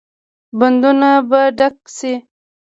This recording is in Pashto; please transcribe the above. بندونه به ډک شي؟